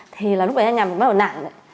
thì là lúc đấy nhà mình bắt đầu nản